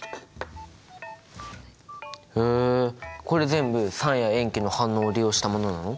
へえこれ全部酸や塩基の反応を利用したものなの？